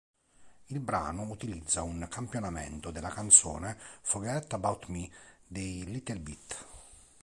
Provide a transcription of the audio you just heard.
Il brano utilizza un campionamento della canzone "Forget About Me" dei Little Bit.